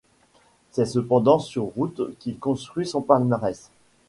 C'est cependant sur route qu'il construit son palmarès.